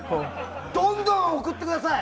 どんどん送ってください！